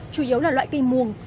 chủ yếu là loại cây muồng